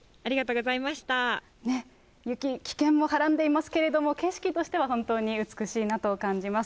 雪、危険もはらんでいますけれども、景色としては本当に美しいなと感じます。